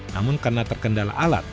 namun karena terkendala alat